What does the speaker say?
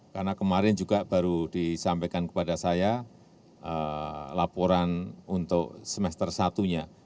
karena kemarin juga baru disampaikan kepada saya laporan untuk semester satunya